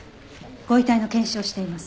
ご遺体の検視をしています。